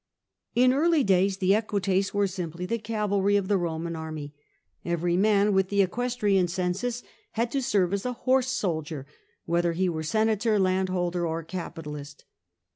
In early days the Equites were simply the cavalry of the Eoman army ; every man with the '' equestrian census,'' had to serve as a horse soldier, whether he were senator, landholder, or capitalist.